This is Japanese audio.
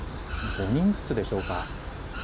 ５人ずつでしょうか。